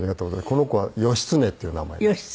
この子は義経っていう名前で。